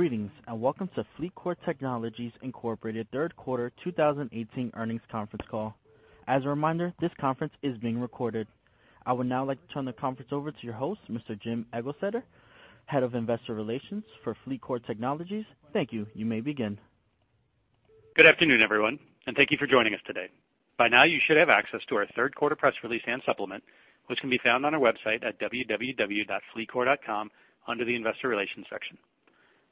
Greetings, welcome to FleetCor Technologies, Inc. third quarter 2018 earnings conference call. As a reminder, this conference is being recorded. I would now like to turn the conference over to your host, Mr. Jim Eglseder, Head of Investor Relations for FleetCor Technologies. Thank you. You may begin. Good afternoon, everyone, thank you for joining us today. By now you should have access to our third quarter press release and supplement, which can be found on our website at www.fleetcor.com under the investor relations section.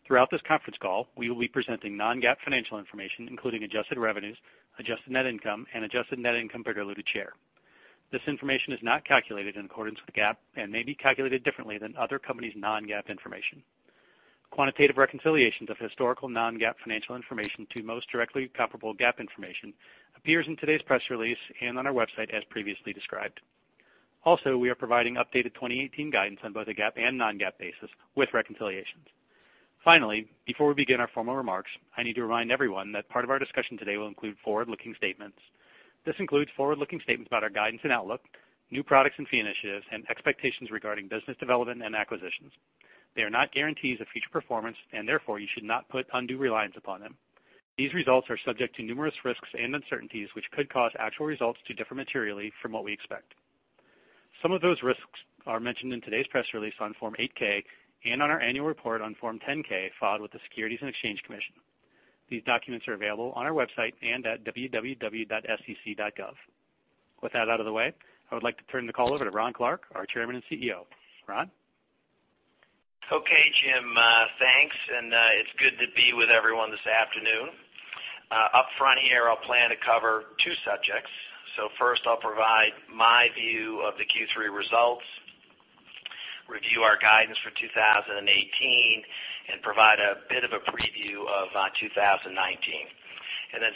Throughout this conference call, we will be presenting non-GAAP financial information, including adjusted revenues, adjusted net income, and adjusted net income per diluted share. This information is not calculated in accordance with GAAP and may be calculated differently than other companies' non-GAAP information. Quantitative reconciliations of historical non-GAAP financial information to most directly comparable GAAP information appears in today's press release and on our website as previously described. Also, we are providing updated 2018 guidance on both a GAAP and non-GAAP basis with reconciliations. Finally, before we begin our formal remarks, I need to remind everyone that part of our discussion today will include forward-looking statements. This includes forward-looking statements about our guidance and outlook, new products and fee initiatives, and expectations regarding business development and acquisitions. They are not guarantees of future performance, and therefore, you should not put undue reliance upon them. These results are subject to numerous risks and uncertainties, which could cause actual results to differ materially from what we expect. Some of those risks are mentioned in today's press release on Form 8-K and on our annual report on Form 10-K filed with the Securities and Exchange Commission. These documents are available on our website and at www.sec.gov. With that out of the way, I would like to turn the call over to Ron Clarke, our Chairman and CEO. Ron? Okay, Jim. Thanks, it's good to be with everyone this afternoon. Upfront here, I plan to cover two subjects. First I'll provide my view of the Q3 results, review our guidance for 2018, and provide a bit of a preview of 2019.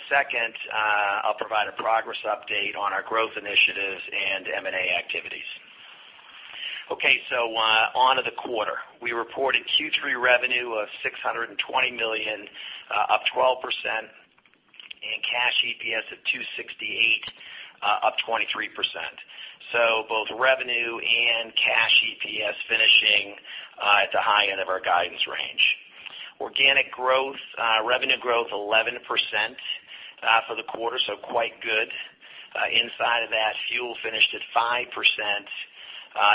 Second, I'll provide a progress update on our growth initiatives and M&A activities. Okay. On to the quarter. We reported Q3 revenue of $620 million, up 12%, and cash EPS of $268, up 23%. Both revenue and cash EPS finishing at the high end of our guidance range. Organic growth, revenue growth 11% for the quarter, quite good. Inside of that, fuel finished at 5%,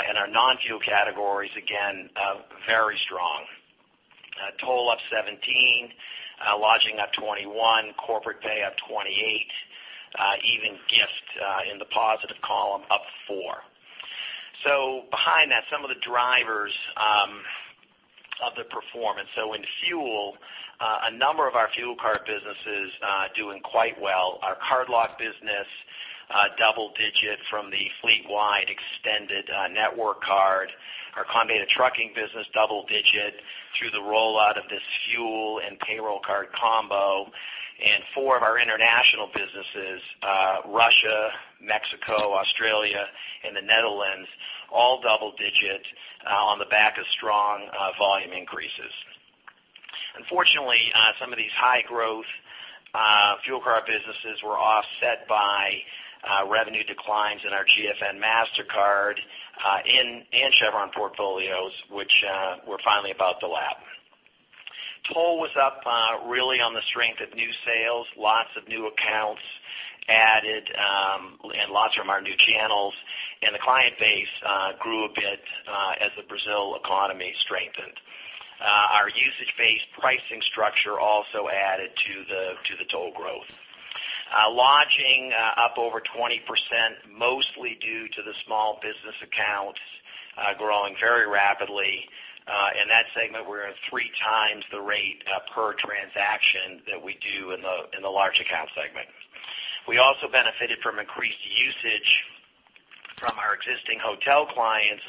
and our non-fuel categories, again, very strong. Toll up 17%, lodging up 21%, corporate pay up 28%, even gift in the positive column up 4%. Behind that, some of the drivers of the performance. In fuel, a number of our fuel card businesses doing quite well. Our cardlock business, double-digit from the FleetWide extended network card. Our Comdata trucking business double-digit through the rollout of this fuel and payroll card combo. Four of our international businesses, Russia, Mexico, Australia, and the Netherlands, all double-digit on the back of strong volume increases. Unfortunately, some of these high-growth fuel card businesses were offset by revenue declines in our GFN MasterCard and Chevron portfolios, which were finally about to lap. Toll was up really on the strength of new sales. Lots of new accounts added, and lots from our new channels. The client base grew a bit as the Brazil economy strengthened. Our usage-based pricing structure also added to the toll growth. Lodging up over 20%, mostly due to the small-business accounts growing very rapidly. In that segment, we're at three times the rate per transaction that we do in the large account segment. We also benefited from increased usage from our existing hotel clients,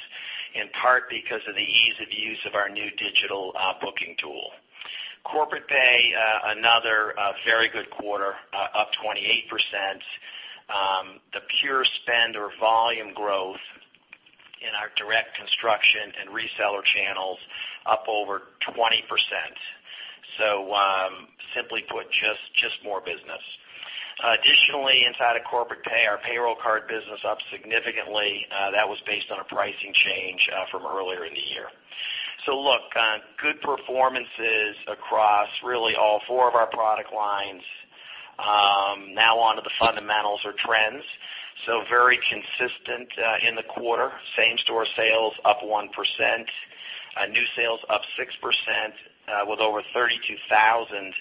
in part because of the ease of use of our new digital booking tool. Corpay, another very good quarter, up 28%. The pure spend or volume growth in our direct construction and reseller channels up over 20%. Simply put, just more business. Additionally, inside of Corpay, our payroll card business up significantly. That was based on a pricing change from earlier in the year. Look, good performances across really all four of our product lines. Now on to the fundamentals or trends. Very consistent in the quarter. Same-store sales up 1%. New sales up 6% with over 32,000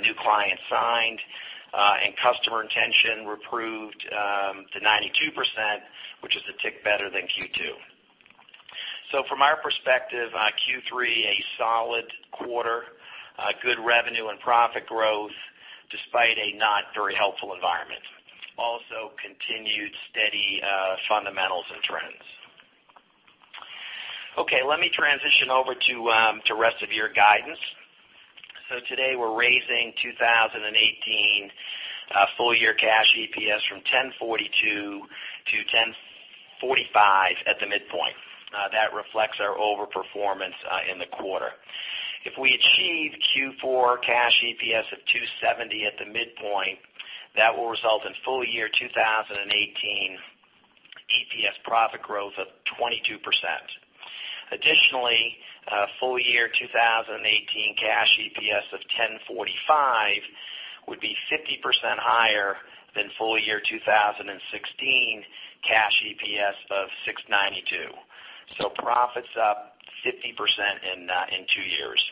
new clients signed. Customer intention improved to 92%, which is a tick better than Q2. From our perspective, Q3 a solid quarter. Good revenue and profit growth despite a not very helpful environment. Also continued steady fundamentals and trends. Let me transition over to rest of year guidance. Today we're raising 2018 full year cash EPS from $10.42 to $10.45 at the midpoint. That reflects our overperformance in the quarter. If we achieve Q4 cash EPS of $2.70 at the midpoint, that will result in full year 2018 EPS profit growth of 22%. Additionally, full year 2018 cash EPS of $10.45 would be 50% higher than full year 2016 cash EPS of $6.92. Profit's up 50% in two years.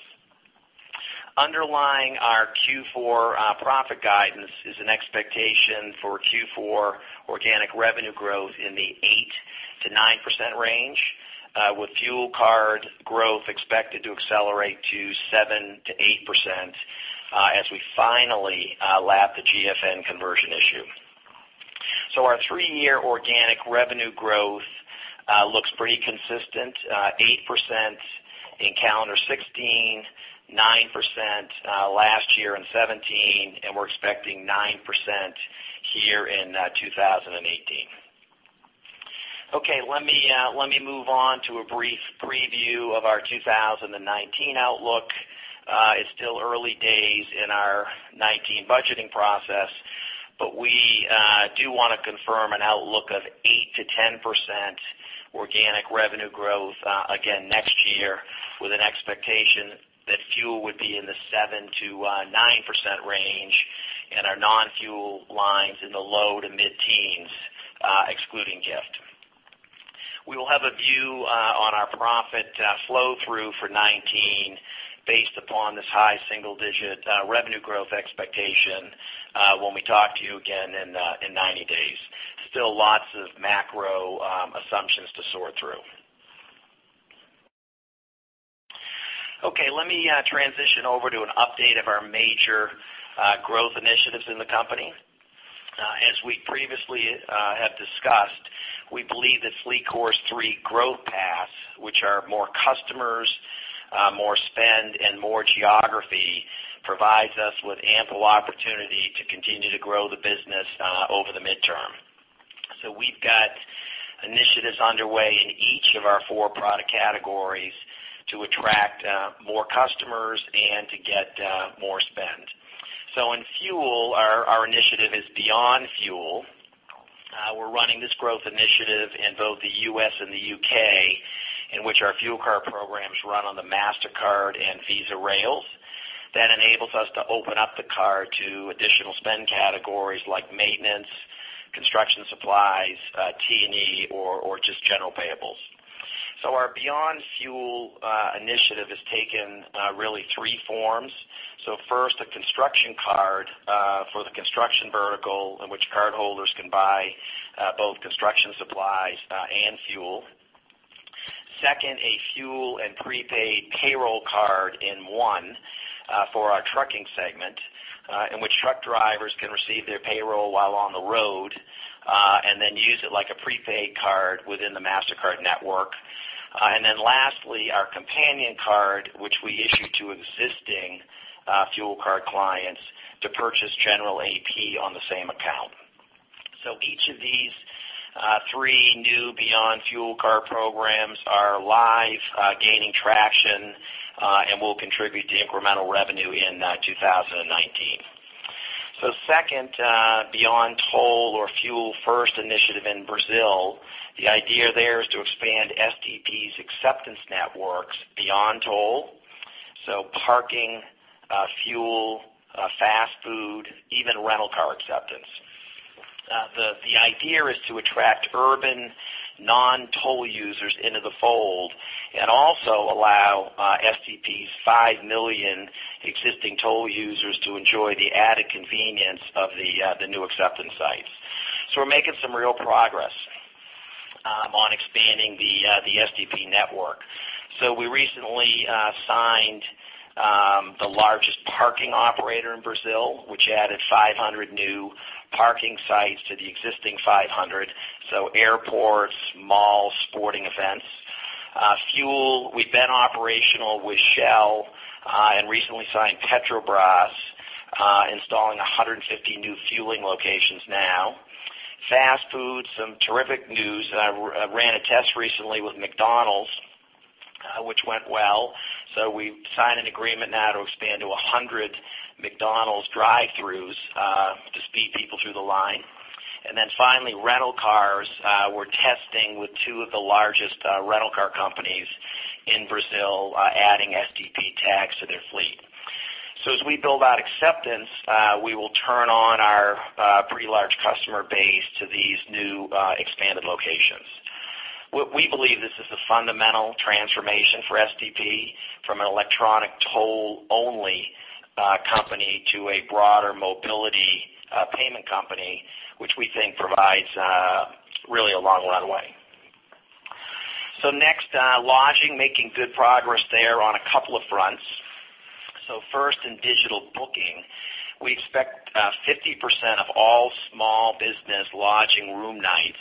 Underlying our Q4 profit guidance is an expectation for Q4 organic revenue growth in the 8%-9% range, with fuel card growth expected to accelerate to 7%-8% as we finally lap the GFN conversion issue. Our three-year organic revenue growth looks pretty consistent. 8% in calendar 2016, 9% last year in 2017, and we're expecting 9% here in 2018. Let me move on to a brief preview of our 2019 outlook. It's still early days in our 2019 budgeting process, but we do want to confirm an outlook of 8%-10% organic revenue growth again next year, with an expectation that fuel would be in the 7%-9% range and our non-fuel lines in the low to mid-teens, excluding gift. We will have a view on our profit flow-through for 2019 based upon this high single-digit revenue growth expectation when we talk to you again in 90 days. Still lots of macro assumptions to sort through. Let me transition over to an update of our major growth initiatives in the company. As we previously have discussed, we believe this Corpay's three growth paths, which are more customers, more spend, and more geography, provides us with ample opportunity to continue to grow the business over the midterm. We've got initiatives underway in each of our four product categories to attract more customers and to get more spend. In fuel, our initiative is beyond fuel. We're running this growth initiative in both the U.S. and the U.K., in which our fuel card programs run on the Mastercard and Visa rails. That enables us to open up the card to additional spend categories like maintenance, construction supplies, T&E, or just general payables. Our beyond fuel initiative has taken really three forms. First, a construction card for the construction vertical in which cardholders can buy both construction supplies and fuel. Second, a fuel and prepaid payroll card in one for our trucking segment, in which truck drivers can receive their payroll while on the road, and then use it like a prepaid card within the Mastercard network. Lastly, our companion card, which we issue to existing fuel card clients to purchase general AP on the same account. Each of these three new beyond fuel card programs are live, gaining traction, and will contribute to incremental revenue in 2019. Second, beyond toll or fuel first initiative in Brazil, the idea there is to expand STP's acceptance networks beyond toll. Parking, fuel, fast food, even rental car acceptance. The idea is to attract urban non-toll users into the fold and also allow STP's five million existing toll users to enjoy the added convenience of the new acceptance sites. We're making some real progress on expanding the STP network. We recently signed the largest parking operator in Brazil, which added 500 new parking sites to the existing 500. Airports, malls, sporting events. Fuel, we've been operational with Shell and recently signed Petrobras, installing 150 new fueling locations now. Fast food, some terrific news. I ran a test recently with McDonald's, which went well. We signed an agreement now to expand to 100 McDonald's drive-throughs to speed people through the line. Finally, rental cars. We're testing with two of the largest rental car companies in Brazil, adding STP tags to their fleet. As we build out acceptance, we will turn on our pretty large customer base to these new expanded locations. We believe this is a fundamental transformation for STP from an electronic toll-only company to a broader mobility payment company, which we think provides really a long runway. Next, lodging, making good progress there on a couple of fronts. First, in digital booking, we expect 50% of all small business lodging room nights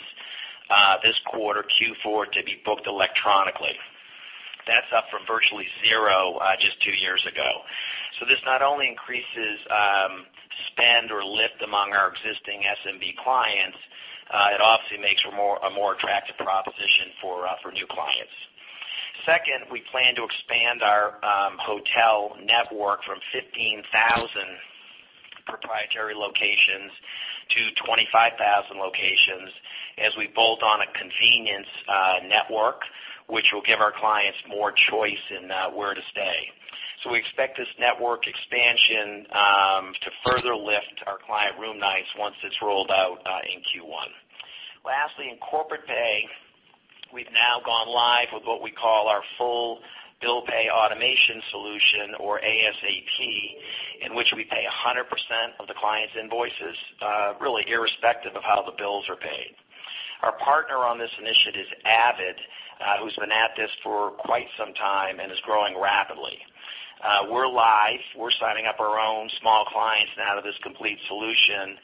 this quarter, Q4, to be booked electronically. That's up from virtually zero just two years ago. This not only increases spend or lift among our existing SMB clients, it obviously makes a more attractive proposition for new clients. Second, we plan to expand our hotel network from 15,000 proprietary locations to 25,000 locations as we bolt on a convenience network, which will give our clients more choice in where to stay. We expect this network expansion to further lift our client room nights once it's rolled out in Q1. Lastly, in Corporate Pay, we've now gone live with what we call our full bill pay automation solution or ASAP, in which we pay 100% of the client's invoices really irrespective of how the bills are paid. Our partner on this initiative is AvidXchange, who's been at this for quite some time and is growing rapidly. We're live. We're signing up our own small clients now to this complete solution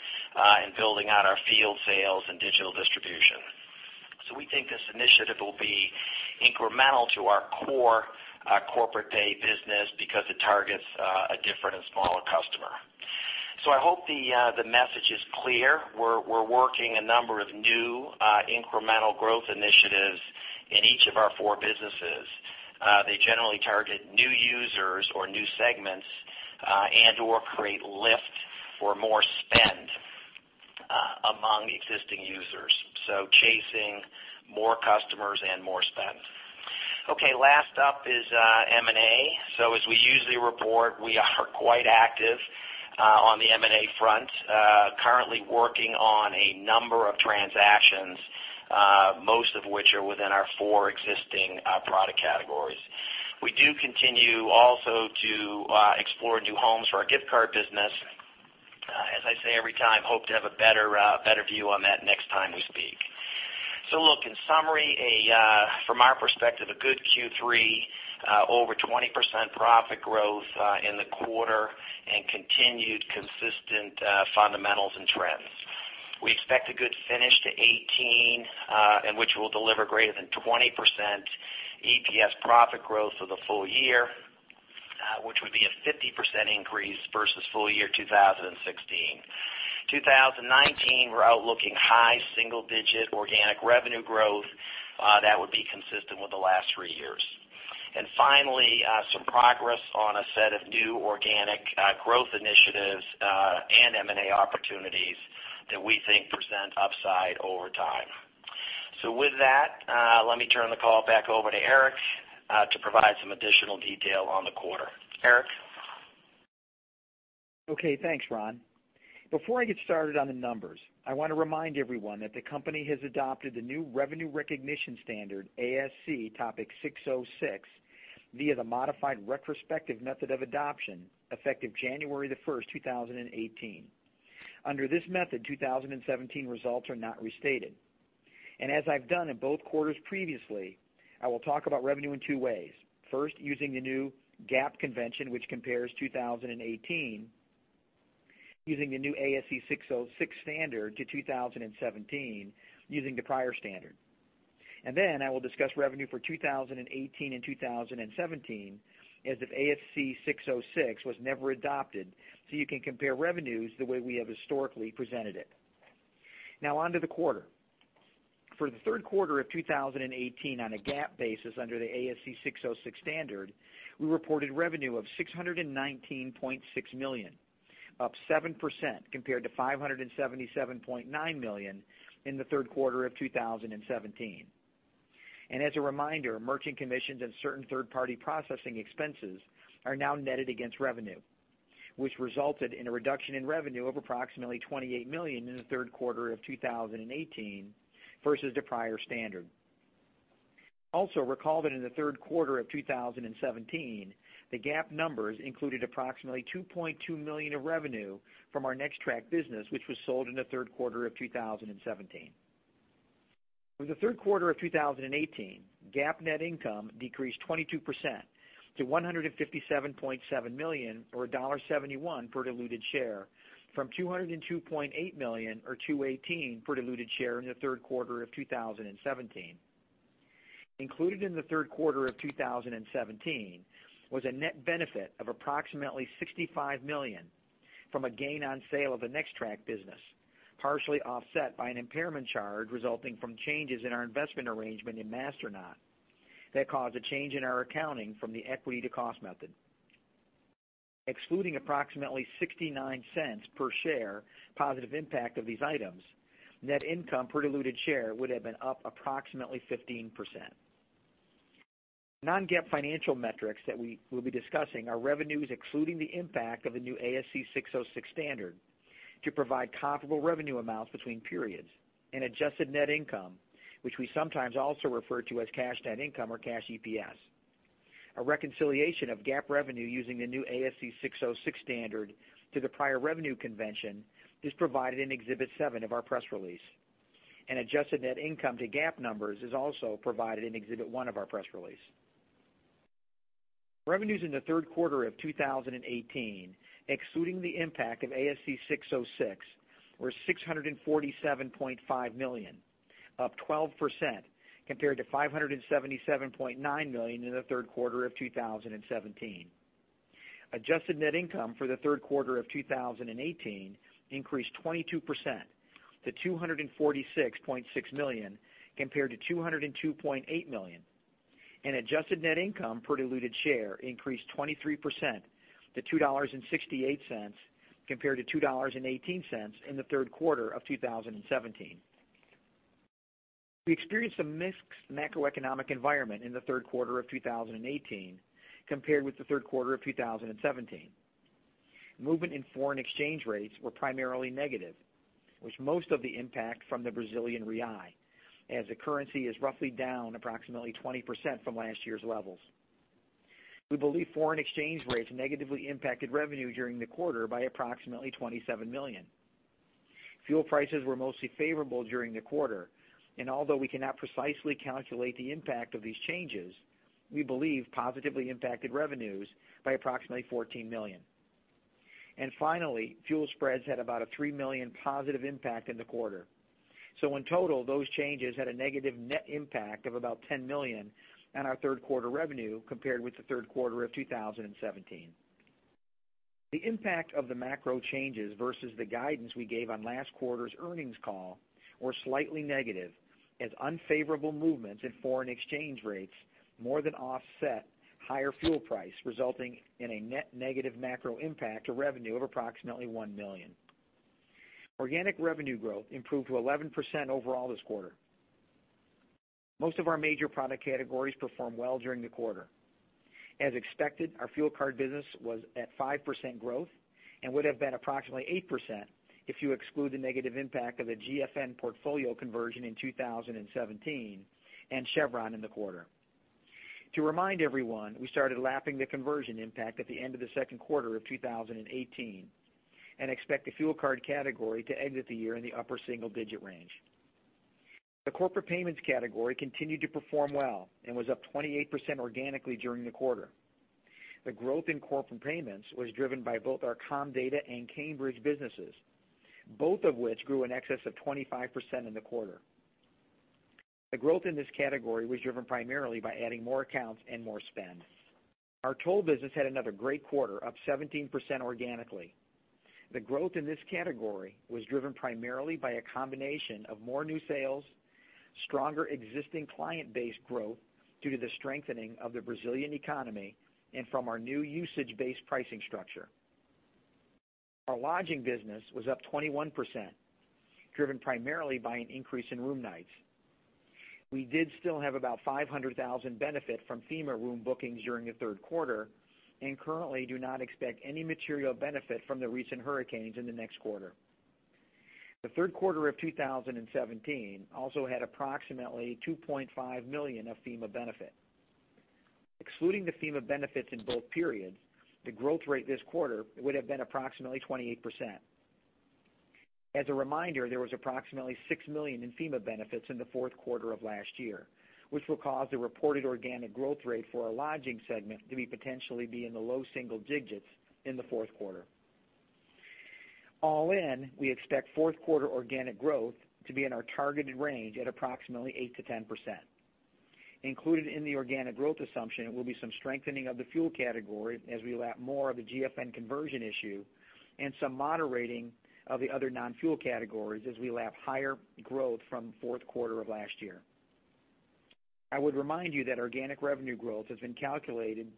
and building out our field sales and digital distribution. We think this initiative will be incremental to our core Corporate Pay business because it targets a different and smaller customer. I hope the message is clear. We're working a number of new incremental growth initiatives in each of our four businesses. They generally target new users or new segments, and/or create lift or more spend among existing users, chasing more customers and more spend. Okay. Last up is M&A. As we usually report, we are quite active on the M&A front. Currently working on a number of transactions, most of which are within our four existing product categories. We do continue also to explore new homes for our gift card business. As I say every time, hope to have a better view on that next time we speak. In summary, from our perspective, a good Q3, over 20% profit growth in the quarter and continued consistent fundamentals and trends. We expect a good finish to 2018, which will deliver greater than 20% EPS profit growth for the full year, which would be a 50% increase versus full year 2016. 2019, we're out looking high single-digit organic revenue growth, that would be consistent with the last three years. Finally, some progress on a set of new organic growth initiatives, and M&A opportunities that we think present upside over time. With that, let me turn the call back over to Eric, to provide some additional detail on the quarter. Eric? Okay, thanks, Ron. Before I get started on the numbers, I want to remind everyone that the company has adopted the new revenue recognition standard, ASC Topic 606, via the modified retrospective method of adoption, effective January the first, 2018. Under this method, 2017 results are not restated. As I've done in both quarters previously, I will talk about revenue in two ways. First, using the new GAAP convention, which compares 2018 using the new ASC 606 standard to 2017 using the prior standard. Then I will discuss revenue for 2018 and 2017 as if ASC 606 was never adopted, so you can compare revenues the way we have historically presented it. On to the quarter. For the third quarter of 2018 on a GAAP basis under the ASC 606 standard, we reported revenue of $619.6 million, up 7% compared to $577.9 million in the third quarter of 2017. As a reminder, merchant commissions and certain third-party processing expenses are now netted against revenue, which resulted in a reduction in revenue of approximately $28 million in the third quarter of 2018 versus the prior standard. Also recall that in the third quarter of 2017, the GAAP numbers included approximately $2.2 million of revenue from our NexTraq business, which was sold in the third quarter of 2017. For the third quarter of 2018, GAAP net income decreased 22% to $157.7 million, or $1.71 per diluted share from $202.8 million or $2.18 per diluted share in the third quarter of 2017. Included in the third quarter of 2017 was a net benefit of approximately $65 million from a gain on sale of the NexTraq business, partially offset by an impairment charge resulting from changes in our investment arrangement in Masternaut that caused a change in our accounting from the equity to cost method. Excluding approximately $0.69 per share positive impact of these items, net income per diluted share would have been up approximately 15%. Non-GAAP financial metrics that we'll be discussing are revenues excluding the impact of the new ASC 606 standard to provide comparable revenue amounts between periods and adjusted net income, which we sometimes also refer to as cash net income or cash EPS. A reconciliation of GAAP revenue using the new ASC 606 standard to the prior revenue convention is provided in Exhibit Seven of our press release. An adjusted net income to GAAP numbers is also provided in Exhibit One of our press release. Revenues in the third quarter of 2018, excluding the impact of ASC 606, were $647.5 million, up 12% compared to $577.9 million in the third quarter of 2017. Adjusted net income for the third quarter of 2018 increased 22% to $246.6 million, compared to $202.8 million. Adjusted net income per diluted share increased 23% to $2.68 compared to $2.18 in the third quarter of 2017. We experienced a mixed macroeconomic environment in the third quarter of 2018 compared with the third quarter of 2017. Movement in foreign exchange rates were primarily negative, with most of the impact from the Brazilian real, as the currency is roughly down approximately 20% from last year's levels. We believe foreign exchange rates negatively impacted revenue during the quarter by approximately $27 million. Fuel prices were mostly favorable during the quarter, although we cannot precisely calculate the impact of these changes, we believe positively impacted revenues by approximately $14 million. Finally, fuel spreads had about a $3 million positive impact in the quarter. In total, those changes had a negative net impact of about $10 million on our third quarter revenue compared with the third quarter of 2017. The impact of the macro changes versus the guidance we gave on last quarter's earnings call were slightly negative, as unfavorable movements in foreign exchange rates more than offset higher fuel price, resulting in a net negative macro impact to revenue of approximately $1 million. Organic revenue growth improved to 11% overall this quarter. Most of our major product categories performed well during the quarter. As expected, our fuel card business was at 5% growth and would have been approximately 8% if you exclude the negative impact of the GFN portfolio conversion in 2017 and Chevron in the quarter. To remind everyone, we started lapping the conversion impact at the end of the second quarter of 2018 and expect the fuel card category to exit the year in the upper single-digit range. The corporate payments category continued to perform well and was up 28% organically during the quarter. The growth in corporate payments was driven by both our Comdata and Cambridge businesses, both of which grew in excess of 25% in the quarter. The growth in this category was driven primarily by adding more accounts and more spend. Our toll business had another great quarter, up 17% organically. The growth in this category was driven primarily by a combination of more new sales, stronger existing client base growth due to the strengthening of the Brazilian economy, and from our new usage-based pricing structure. Our lodging business was up 21%, driven primarily by an increase in room nights. We did still have about $500,000 benefit from FEMA room bookings during the third quarter, and currently do not expect any material benefit from the recent hurricanes in the next quarter. The third quarter of 2017 also had approximately $2.5 million of FEMA benefit. Excluding the FEMA benefits in both periods, the growth rate this quarter would have been approximately 28%. As a reminder, there was approximately $6 million in FEMA benefits in the fourth quarter of last year, which will cause the reported organic growth rate for our lodging segment to be potentially in the low single digits in the fourth quarter. All in, we expect fourth quarter organic growth to be in our targeted range at approximately 8%-10%. Included in the organic growth assumption will be some strengthening of the fuel category as we lap more of the GFN conversion issue and some moderating of the other non-fuel categories as we lap higher growth from fourth quarter of last year. I would remind you that organic revenue growth has been calculated,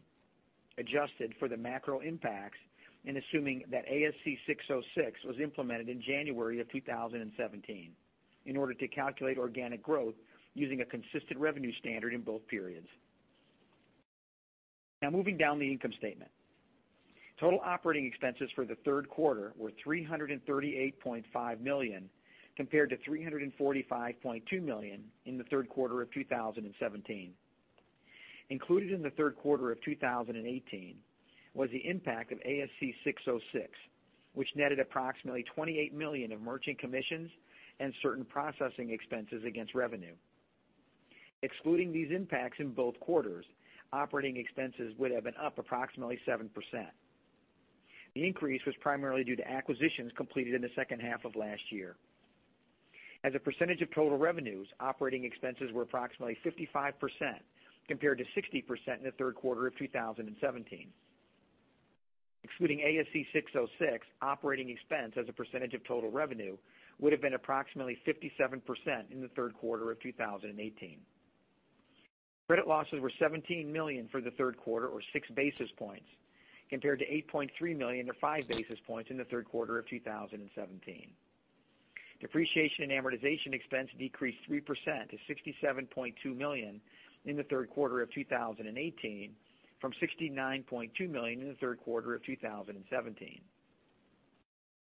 adjusted for the macro impacts, and assuming that ASC 606 was implemented in January of 2017 in order to calculate organic growth using a consistent revenue standard in both periods. Moving down the income statement. Total operating expenses for the third quarter were $338.5 million compared to $345.2 million in the third quarter of 2017. Included in the third quarter of 2018 was the impact of ASC 606, which netted approximately $28 million of merchant commissions and certain processing expenses against revenue. Excluding these impacts in both quarters, operating expenses would have been up approximately 7%. The increase was primarily due to acquisitions completed in the second half of last year. As a percentage of total revenues, operating expenses were approximately 55% compared to 60% in the third quarter of 2017. Excluding ASC 606, operating expense as a percentage of total revenue would have been approximately 57% in the third quarter of 2018. Credit losses were $17 million for the third quarter, or six basis points, compared to $8.3 million or five basis points in the third quarter of 2017. Depreciation and amortization expense decreased 3% to $67.2 million in the third quarter of 2018 from $69.2 million in the third quarter of 2017.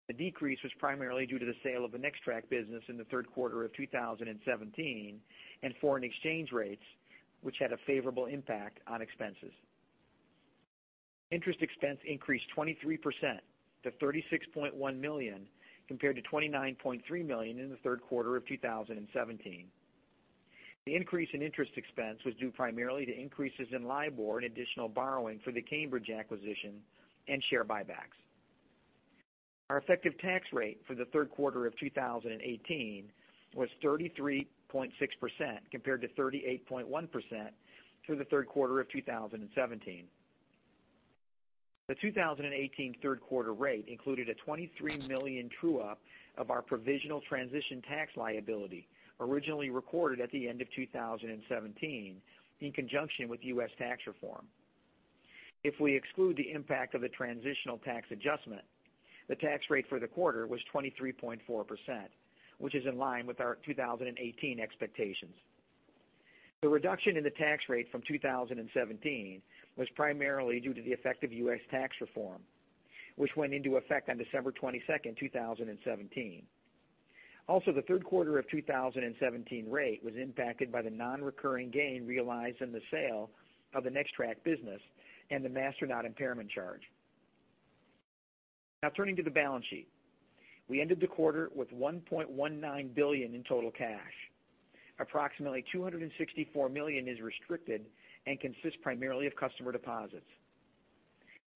The decrease was primarily due to the sale of the NexTraq business in the third quarter of 2017 and foreign exchange rates, which had a favorable impact on expenses. Interest expense increased 23% to $36.1 million compared to $29.3 million in the third quarter of 2017. The increase in interest expense was due primarily to increases in LIBOR and additional borrowing for the Cambridge acquisition and share buybacks. Our effective tax rate for the third quarter of 2018 was 33.6% compared to 38.1% for the third quarter of 2017. The 2018 third quarter rate included a $23 million true-up of our provisional transition tax liability, originally recorded at the end of 2017 in conjunction with U.S. tax reform. If we exclude the impact of the transitional tax adjustment, the tax rate for the quarter was 23.4%, which is in line with our 2018 expectations. The reduction in the tax rate from 2017 was primarily due to the effective U.S. tax reform, which went into effect on December 22nd, 2017. Also, the third quarter of 2017 rate was impacted by the non-recurring gain realized in the sale of the NexTraq business and the Masternaut impairment charge. Now turning to the balance sheet. We ended the quarter with $1.19 billion in total cash. Approximately $264 million is restricted and consists primarily of customer deposits.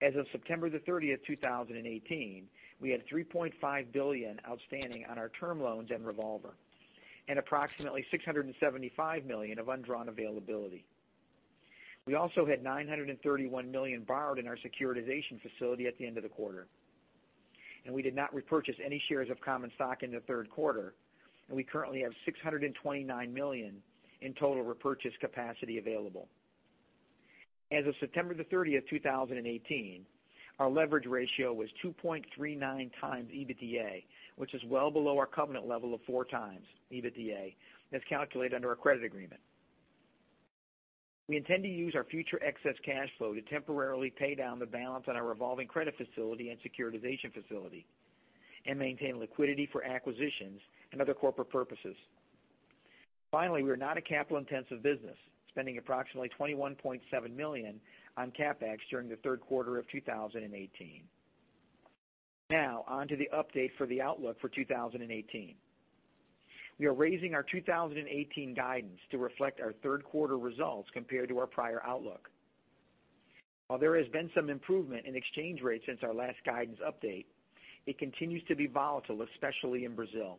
As of September 30th, 2018, we had $3.5 billion outstanding on our term loans and revolver, and approximately $675 million of undrawn availability. We also had $931 million borrowed in our securitization facility at the end of the quarter. We did not repurchase any shares of common stock in the third quarter, and we currently have $629 million in total repurchase capacity available. As of September 30th, 2018, our leverage ratio was 2.39 times EBITDA, which is well below our covenant level of 4 times EBITDA as calculated under our credit agreement. We intend to use our future excess cash flow to temporarily pay down the balance on our revolving credit facility and securitization facility and maintain liquidity for acquisitions and other corporate purposes. Finally, we are not a capital-intensive business, spending approximately $21.7 million on CapEx during the third quarter of 2018. Now on to the update for the outlook for 2018. We are raising our 2018 guidance to reflect our third quarter results compared to our prior outlook. While there has been some improvement in exchange rates since our last guidance update, it continues to be volatile, especially in Brazil.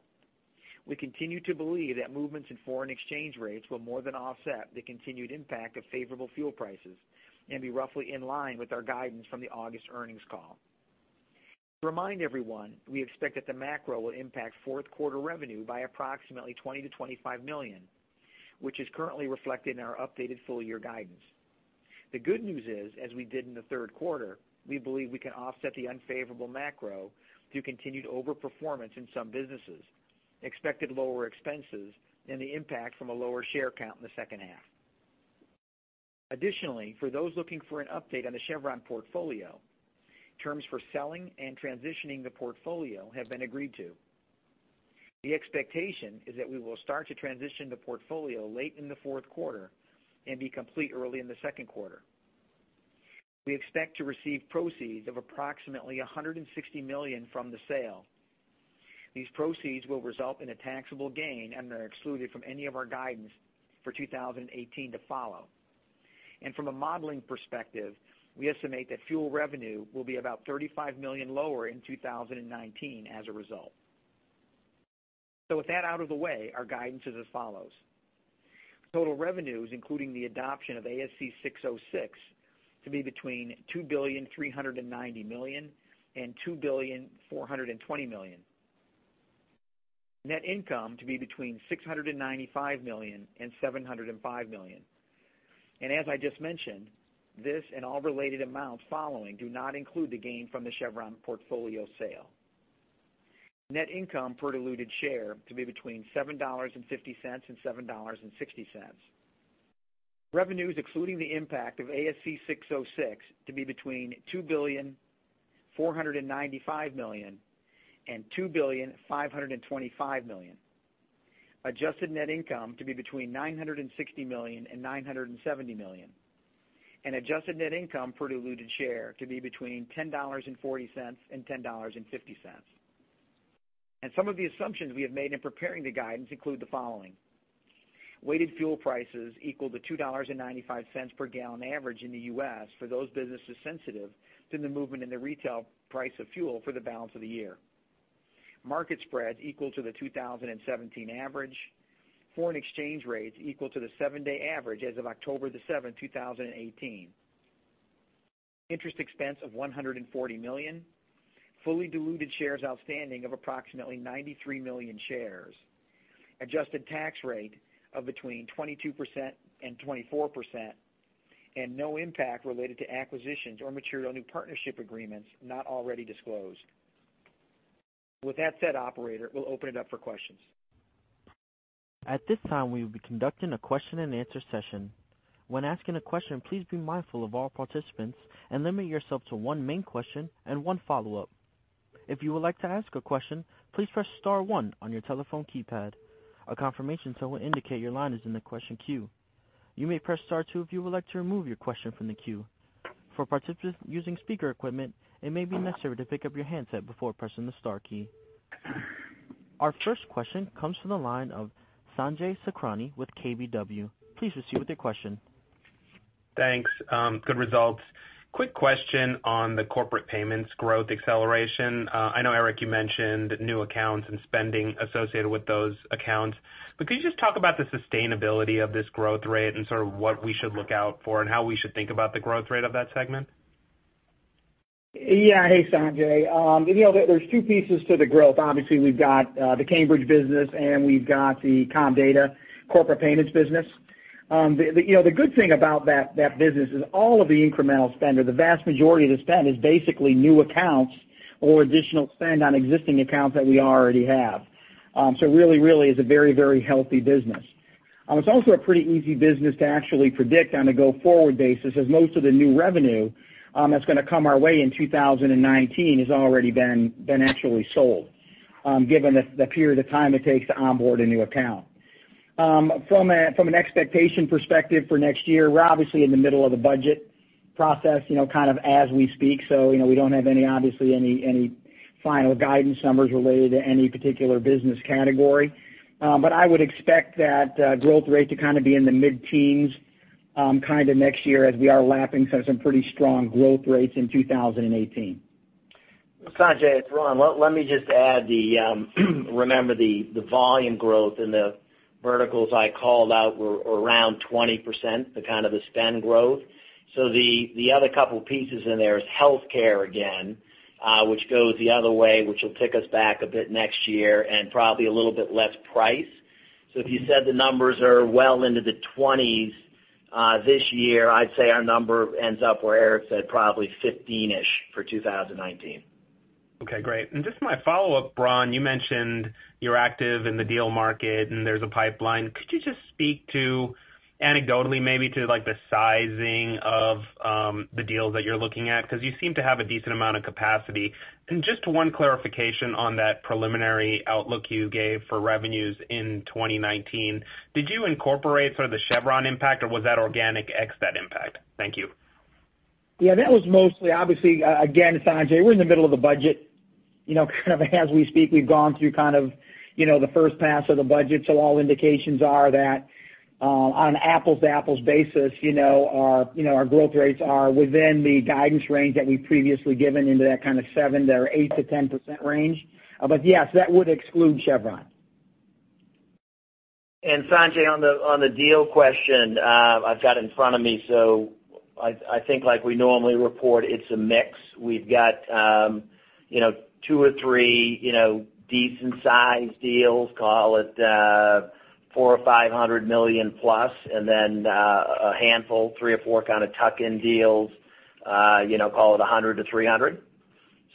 We continue to believe that movements in foreign exchange rates will more than offset the continued impact of favorable fuel prices and be roughly in line with our guidance from the August earnings call. To remind everyone, we expect that the macro will impact fourth quarter revenue by approximately $20-$25 million, which is currently reflected in our updated full year guidance. The good news is, as we did in the third quarter, we believe we can offset the unfavorable macro through continued overperformance in some businesses, expected lower expenses, and the impact from a lower share count in the second half. Additionally, for those looking for an update on the Chevron portfolio, terms for selling and transitioning the portfolio have been agreed to. The expectation is that we will start to transition the portfolio late in the fourth quarter and be complete early in the second quarter. We expect to receive proceeds of approximately $160 million from the sale. These proceeds will result in a taxable gain and are excluded from any of our guidance for 2018 to follow. From a modeling perspective, we estimate that fuel revenue will be about $35 million lower in 2019 as a result. With that out of the way, our guidance is as follows. Total revenues, including the adoption of ASC 606, to be between $2 billion, $390 million and $2 billion, $420 million. Net income to be between $695 million and $705 million. As I just mentioned, this and all related amounts following do not include the gain from the Chevron portfolio sale. Net income per diluted share to be between $7.50 and $7.60. Revenues, excluding the impact of ASC 606, to be between $2 billion, $495 million and $2 billion, $525 million. Adjusted net income to be between $960 million and $970 million. Adjusted net income per diluted share to be between $10.40 and $10.50. Some of the assumptions we have made in preparing the guidance include the following: weighted fuel prices equal to $2.95 per gallon average in the U.S. for those businesses sensitive to the movement in the retail price of fuel for the balance of the year. Market spreads equal to the 2017 average. Foreign exchange rates equal to the seven-day average as of October the 7th, 2018. Interest expense of $140 million. Fully diluted shares outstanding of approximately 93 million shares. Adjusted tax rate of between 22% and 24%, and no impact related to acquisitions or material new partnership agreements not already disclosed. With that said, operator, we'll open it up for questions. At this time, we will be conducting a question and answer session. When asking a question, please be mindful of all participants and limit yourself to one main question and one follow-up. If you would like to ask a question, please press star one on your telephone keypad. A confirmation tone will indicate your line is in the question queue. You may press star two if you would like to remove your question from the queue. For participants using speaker equipment, it may be necessary to pick up your handset before pressing the star key. Our first question comes from the line of Sanjay Sakhrani with KBW. Please proceed with your question. Thanks. Good results. Quick question on the corporate payments growth acceleration. I know, Eric, you mentioned new accounts and spending associated with those accounts. Could you just talk about the sustainability of this growth rate and sort of what we should look out for and how we should think about the growth rate of that segment? Yeah. Hey, Sanjay. There's two pieces to the growth. Obviously, we've got the Cambridge business, and we've got the Comdata corporate payments business. The good thing about that business is all of the incremental spend, or the vast majority of the spend, is basically new accounts or additional spend on existing accounts that we already have. Really is a very healthy business. It's also a pretty easy business to actually predict on a go-forward basis, as most of the new revenue that's going to come our way in 2019 has already been actually sold, given the period of time it takes to onboard a new account. From an expectation perspective for next year, we're obviously in the middle of the budget process kind of as we speak. We don't have, obviously, any final guidance numbers related to any particular business category. I would expect that growth rate to be in the mid-teens next year, as we are lapping some pretty strong growth rates in 2018. Sanjay, it's Ron. Let me just add, remember the volume growth in the verticals I called out were around 20%, the kind of the spend growth. The other couple pieces in there is healthcare again, which goes the other way, which will take us back a bit next year, and probably a little bit less price. If you said the numbers are well into the 20s this year, I'd say our number ends up where Eric said, probably 15-ish for 2019. Just my follow-up, Ron, you mentioned you're active in the deal market and there's a pipeline. Could you just speak to, anecdotally maybe, to the sizing of the deals that you're looking at? Because you seem to have a decent amount of capacity. Just one clarification on that preliminary outlook you gave for revenues in 2019, did you incorporate sort of the Chevron impact, or was that organic ex that impact? Thank you. That was mostly, obviously, again, Sanjay, we're in the middle of the budget. Kind of as we speak, we've gone through the first pass of the budget. All indications are that on an apples-to-apples basis, our growth rates are within the guidance range that we've previously given into that kind of 7% to 8% to 10% range. Yes, that would exclude Chevron. Sanjay, on the deal question, I've got it in front of me. I think like we normally report, it's a mix. We've got two or three decent-sized deals, call it $400 or $500 million plus, then a handful, three or four kind of tuck-in deals, call it $100 to $300.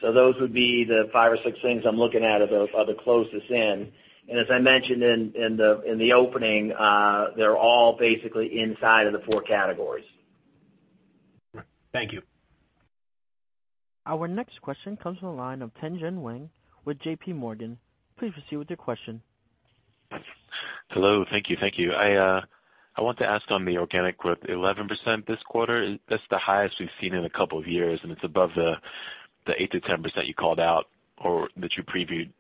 Those would be the five or six things I'm looking at are the closest in. As I mentioned in the opening, they're all basically inside of the four categories. Thank you. Our next question comes from the line of Tien-Tsin Huang with J.P. Morgan. Please proceed with your question. Hello, thank you. I want to ask on the organic growth, 11% this quarter, that's the highest we've seen in a couple of years. It's above the 8%-10% you called out or that you previewed.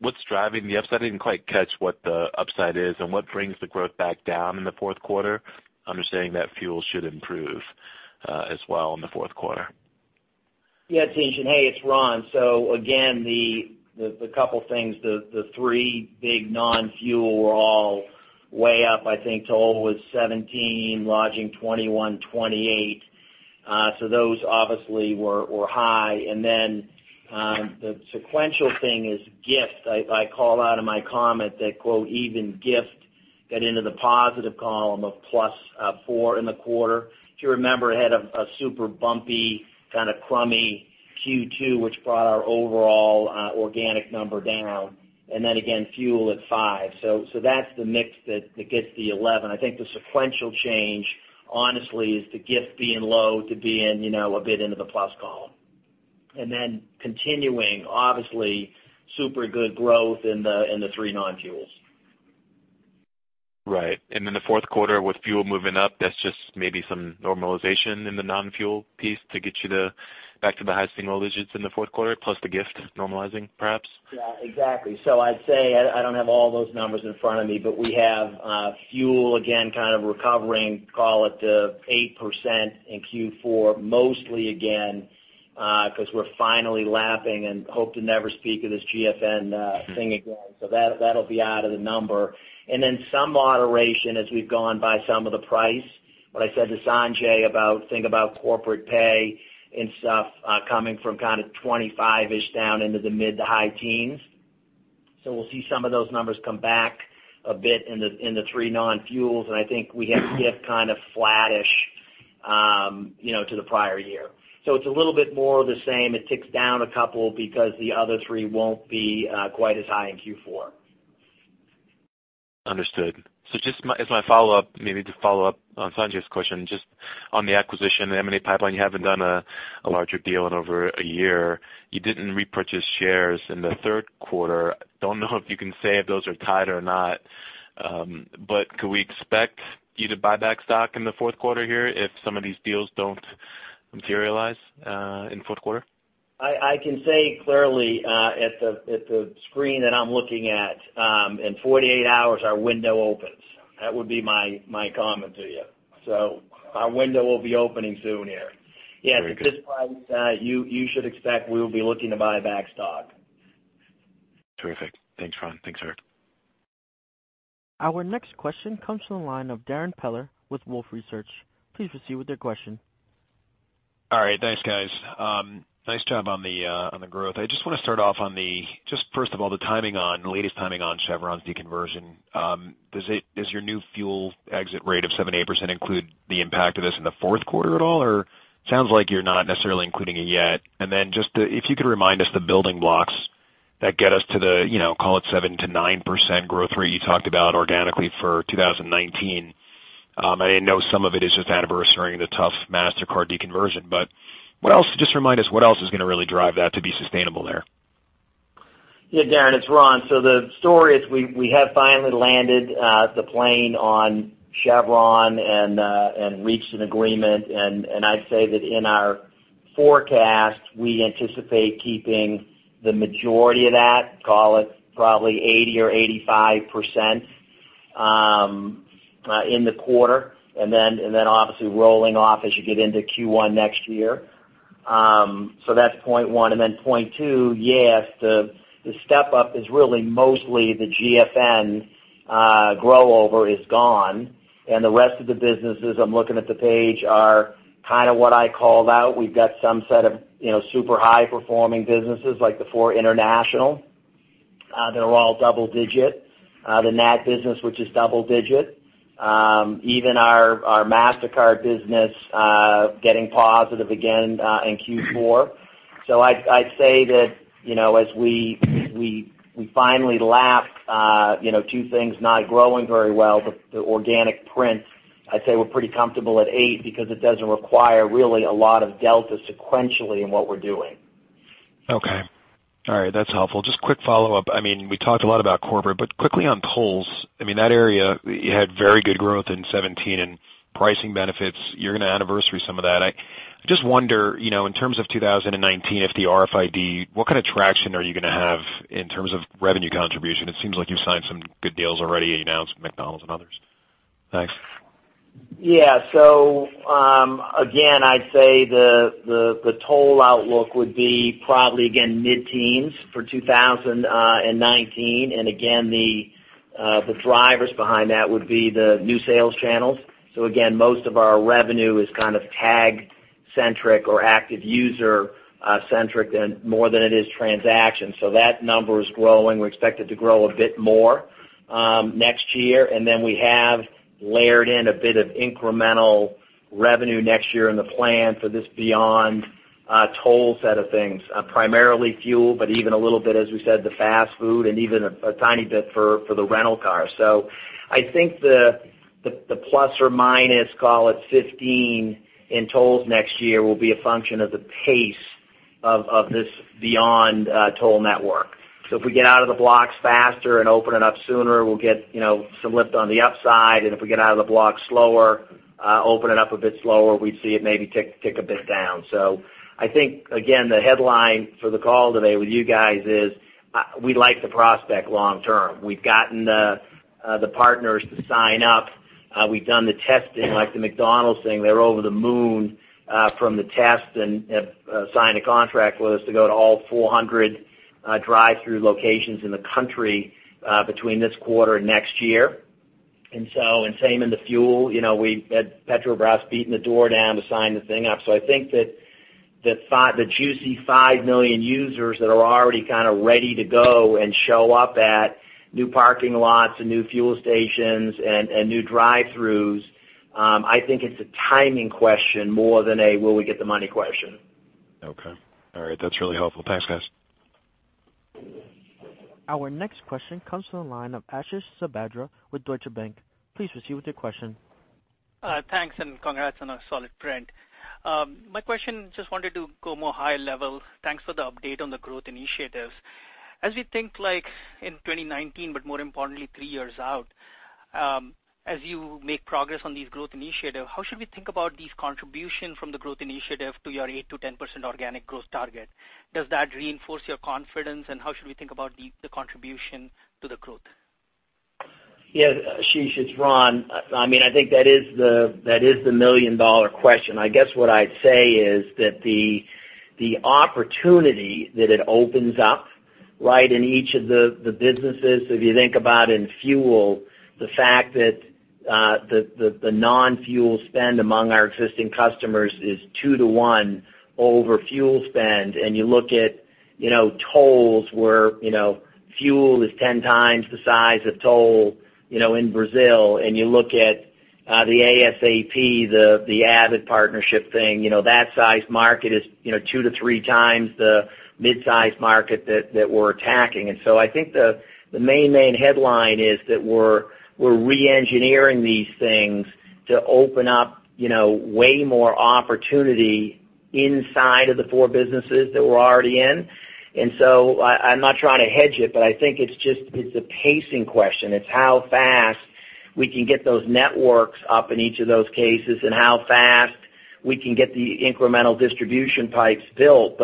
What's driving the upside? I didn't quite catch what the upside is, and what brings the growth back down in the fourth quarter, understanding that fuel should improve as well in the fourth quarter. Yeah, Tien-Tsin, hey, it's Ron. Again, the couple things, the three big non-fuel were all way up, I think toll was 17, lodging 21, 28. Those obviously were high. The sequential thing is gift. I call out in my comment that "even gift got into the positive column of plus four in the quarter." If you remember, it had a super bumpy, kind of crummy Q2, which brought our overall organic number down. Again, fuel at five. That's the mix that gets the 11. I think the sequential change, honestly, is the gift being low to being a bit into the plus column. Continuing, obviously, super good growth in the three non-fuels. Right. In the fourth quarter with fuel moving up, that's just maybe some normalization in the non-fuel piece to get you back to the highest single digits in the fourth quarter, plus the gift normalizing, perhaps? Yeah, exactly. I'd say I don't have all those numbers in front of me, but we have fuel again kind of recovering, call it 8% in Q4, mostly again because we're finally lapping and hope to never speak of this GFN thing again. That'll be out of the number. Then some moderation as we've gone by some of the price. What I said to Sanjay about think about Corpay and stuff coming from kind of 25% down into the mid-to-high teens. We'll see some of those numbers come back a bit in the three non-fuels, and I think we have gift kind of flattish to the prior year. It's a little bit more of the same. It ticks down a couple because the other three won't be quite as high in Q4. Understood. Just as my follow-up, maybe to follow up on Sanjay's question, just on the acquisition, the M&A pipeline, you haven't done a larger deal in over a year. You didn't repurchase shares in the third quarter. Don't know if you can say if those are tied or not. Could we expect you to buy back stock in the fourth quarter here if some of these deals don't materialize in fourth quarter? I can say clearly at the screen that I'm looking at, in 48 hours, our window opens. That would be my comment to you. Our window will be opening soon here. Very good. Yeah, at this point, you should expect we will be looking to buy back stock. Terrific. Thanks, Ron. Thanks, Eric. Our next question comes from the line of Darrin Peller with Wolfe Research. Please proceed with your question. All right. Thanks, guys. Nice job on the growth. I just want to start off on the, just first of all, the latest timing on Chevron's deconversion. Does your new fuel exit rate of 7%-8% include the impact of this in the fourth quarter at all, or sounds like you're not necessarily including it yet. Then just if you could remind us the building blocks that get us to the call it 7%-9% growth rate you talked about organically for 2019. I know some of it is just anniversary-ing the tough Mastercard deconversion, but just remind us, what else is going to really drive that to be sustainable there? Darrin, it's Ron. The story is we have finally landed the plane on Chevron and reached an agreement, and I'd say that in our forecast, we anticipate keeping the majority of that, call it probably 80% or 85%, in the quarter. Rolling off as you get into Q1 next year. That's point one. Point two, yes, the step-up is really mostly the GFN grow over is gone and the rest of the businesses, I'm looking at the page, are kind of what I called out. We've got some set of super high performing businesses like the four international, that are all double digit. The NAT business, which is double digit. Even our Mastercard business, getting positive again, in Q4. I'd say that, as we finally lap two things not growing very well, but the organic print, I'd say we're pretty comfortable at eight because it doesn't require really a lot of delta sequentially in what we're doing. Okay. All right. That's helpful. Just quick follow-up. We talked a lot about Corpay, quickly on tolls. That area, you had very good growth in 2017 and pricing benefits. You're going to anniversary some of that. I just wonder, in terms of 2019, if the RFID, what kind of traction are you going to have in terms of revenue contribution? It seems like you've signed some good deals already. You announced McDonald's and others. Thanks. Again, I'd say the toll outlook would be probably again mid-teens for 2019. Again, the drivers behind that would be the new sales channels. Again, most of our revenue is kind of tag centric or active user centric than more than it is transaction. That number is growing. We expect it to grow a bit more next year. We have layered in a bit of incremental revenue next year in the plan for this beyond toll set of things, primarily fuel, even a little bit, as we said, the fast food and even a tiny bit for the rental car. I think the ±15 in tolls next year will be a function of the pace of this beyond toll network. If we get out of the blocks faster and open it up sooner, we'll get some lift on the upside. If we get out of the blocks slower, open it up a bit slower, we'd see it maybe tick a bit down. I think, again, the headline for the call today with you guys is, we like the prospect long term. We've gotten the partners to sign up. We've done the testing like the McDonald's thing. They were over the moon from the test and have signed a contract with us to go to all 400 drive-through locations in the country between this quarter and next year. Same in the fuel, we've had Petrobras beating the door down to sign the thing up. I think that the juicy five million users that are already kind of ready to go and show up at new parking lots and new fuel stations and new drive-throughs, I think it's a timing question more than a will we get the money question. Okay. All right. That's really helpful. Thanks, guys. Our next question comes from the line of Ashish Sabadra with Deutsche Bank. Please proceed with your question. Thanks, and congrats on a solid print. My question, just wanted to go more high level. Thanks for the update on the growth initiatives. As we think like in 2019, but more importantly three years out, as you make progress on these growth initiatives, how should we think about these contribution from the growth initiative to your 8%-10% organic growth target? Does that reinforce your confidence, and how should we think about the contribution to the growth? Yeah. Ashish, it's Ron. I think that is the million-dollar question. I guess what I'd say is that the opportunity that it opens up right in each of the businesses, if you think about in fuel, the fact that the non-fuel spend among our existing customers is 2 to 1 over fuel spend. You look at tolls where fuel is 10 times the size of toll in Brazil. You look at the ASAP, the Avid partnership thing, that size market is 2 to 3 times the mid-size market that we're attacking. I think the main headline is that we're re-engineering these things to open up way more opportunity inside of the four businesses that we're already in. I'm not trying to hedge it, but I think it's a pacing question. It's how fast we can get those networks up in each of those cases, and how fast we can get the incremental distribution pipes built.